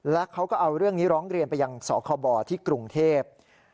และเขาก็เอาเรื่องนี้ร้องเรียนไปยังสคบที่กรุงเทพ